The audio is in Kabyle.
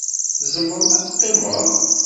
Tzemreḍ ad teqqimeḍ.